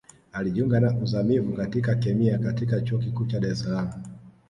Alijiunga na Uzamivu katika Kemia katika Chuo Kikuu cha Dar es Salaam